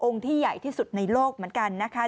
ที่ใหญ่ที่สุดในโลกเหมือนกันนะคะ